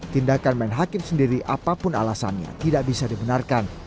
tindakan main hakim sendiri apapun alasannya tidak bisa dibenarkan